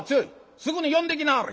すぐに呼んできなはれ」。